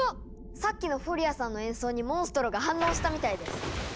さっきのフォリアさんの演奏にモンストロが反応したみたいです！